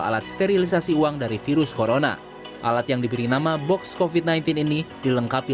alat sterilisasi uang dari virus corona alat yang diberi nama box covid sembilan belas ini dilengkapi